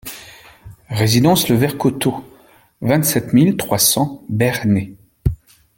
Résidence le Vert Coteau, vingt-sept mille trois cents Bernay